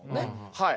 はい。